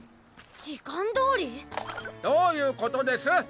時間通り？どういうことです！？